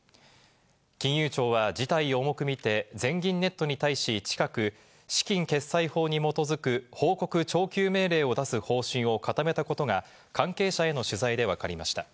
金融庁は事態を重く見て、全銀ネットに対し、近く資金決済法に基づく報告徴求命令を出す方針を固めたことが関係者への取材でわかりました。